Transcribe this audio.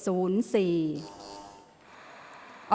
ออกรางวัลที่๖เลขที่๗